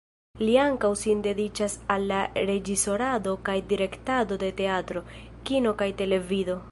Li ankaŭ sin dediĉas al la reĝisorado kaj direktado de teatro, kino kaj televido.